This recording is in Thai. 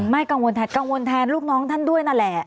กังวลกังวลแทนลูกน้องท่านด้วยนั่นแหละ